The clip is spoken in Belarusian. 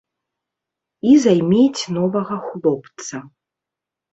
І займець новага хлопца.